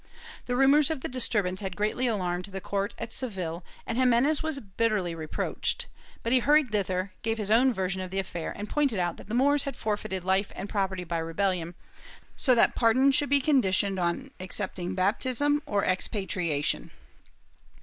The rumors of the disturbance had greatly alarmed the court at Seville, and Ximenes was bitterly reproached, but he hurried thither, gave his own version of the affair, and pointed out that the Moors had forfeited life and prop erty by rebellion, so that pardon should be conditioned on accept ing baptism or expatriation.